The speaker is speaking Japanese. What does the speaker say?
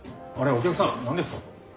お客さん何ですか？